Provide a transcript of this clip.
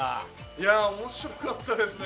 いや面白かったですね